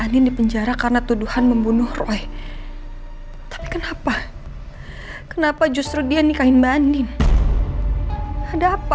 andin dipenjara karena tuduhan membunuh roy tapi kenapa kenapa justru dia nikahin mbak andin ada apa